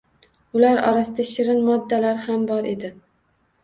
Ular orasida shirin moddalar ham bor edi